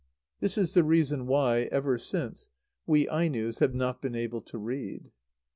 This is the reason why, ever since, we Ainos have not been able to read.